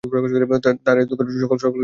তাঁর এ দুঃখ পূর্বের সকল দুঃখকে ছাড়িয়ে গেল।